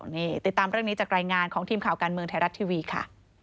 นี่ติดตามเรื่องนี้จากรายงานของทีมข่าวการเมืองไทยรัฐทีวีค่ะ